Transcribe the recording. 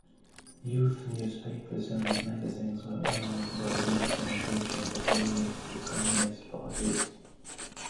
Youth newspapers and magazines were owned by youth organizations affiliated with communist parties.